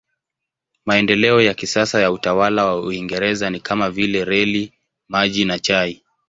Maendeleo ya kisasa ya utawala wa Uingereza ni kama vile reli, maji na chai.